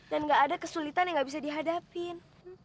dan gak ada kesulitan yang gak bisa dihadapin